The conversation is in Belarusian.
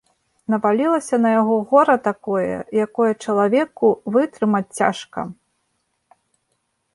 Навалілася на яго гора такое, якое чалавеку вытрымаць цяжка.